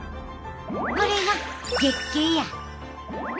これが月経や。